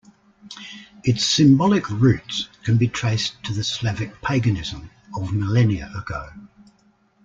Its symbolic roots can be traced to the Slavic paganism of millennia ago.